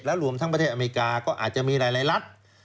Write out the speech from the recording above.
รวมทั้งประเทศอเมริกาก็อาจจะมีหลายรัฐ